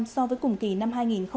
so với cùng kỳ năm hai nghìn hai mươi hai